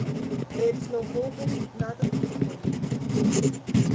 Eles não roubam nada do que comem.